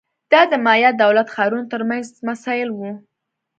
دا د مایا دولت ښارونو ترمنځ مسایل وو